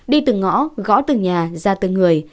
đi từ ngõ gõ từ nhà ra từ người